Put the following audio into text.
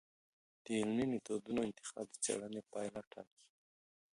د علمي میتودونو انتخاب د څېړنې پایله ټاکي.